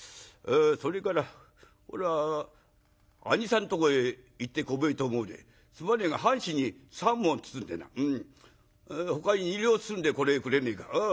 「それからおら兄さんとこへ行ってこべえと思うですまねえが半紙に３文包んでなほかに２両包んでこれへくれねえか。